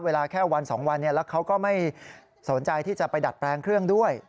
เวลาแค่วัน๒วันแล้วเขาก็ไม่สนใจที่จะไปดัดแปลงเครื่องด้วย